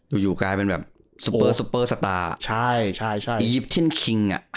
อยู่อยู่กลายเป็นแบบสุเปอร์สุเปอร์สตาร์ใช่ใช่ใช่อียิปทีนคิงอ่ะ